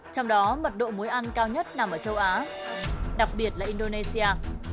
trong đó mật độ mối ăn cao nhất nằm ở châu á đặc biệt là indonesia